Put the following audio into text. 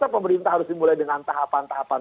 pemerintah harus dimulai dengan tahapan tahapan